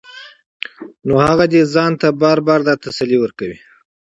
نو هغه دې ځان له بار بار دا تسلي ورکوي